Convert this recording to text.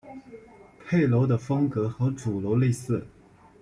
配楼的风格和主楼类似。